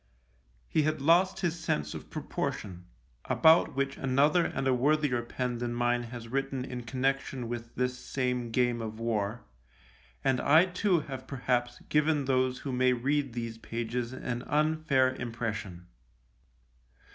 He had lost his sense of proportion — about which another and a worthier pen than mine has written in con nection with this same game of war — and I too have perhaps given those who may read these pages an unfair impression.